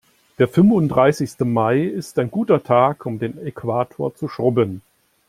Der fünfunddreißigste Mai ist ein guter Tag, um den Äquator zu schrubben.